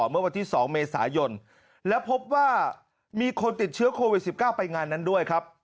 เมื่อวันที่๒เมษายนแล้วพบว่ามีคนติดเชื้อโควิด๑๙ไปงานนั้นด้วยครับ